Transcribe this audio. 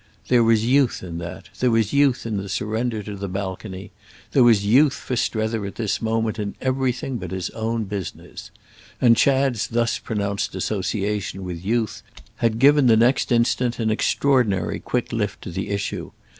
There was youth in that, there was youth in the surrender to the balcony, there was youth for Strether at this moment in everything but his own business; and Chad's thus pronounced association with youth had given the next instant an extraordinary quick lift to the issue.